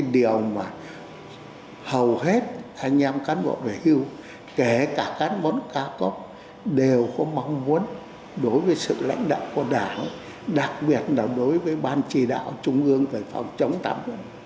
đối với sự lãnh đạo của đảng đặc biệt là đối với ban chỉ đạo trung ương về phòng chống tham nhũng